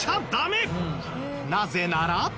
なぜなら？